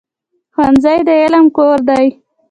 ښوونځی د علم کور دی.